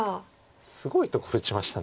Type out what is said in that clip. すごいところ打ちました。